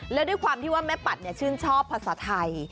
แล้วด้วยความที่ว่าแม่ปัดชื่นชอบภาษาไทย